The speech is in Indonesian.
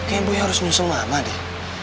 kayaknya boy harus nyusul mama deh